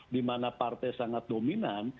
di mana partai sangat dominan